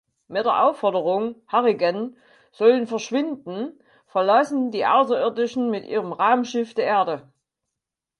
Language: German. Mit der Aufforderung Harrigan solle verschwinden, verlassen die Außerirdischen mit ihrem Raumschiff die Erde.